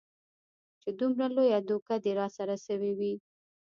چې دومره لويه دوکه دې راسره سوې وي.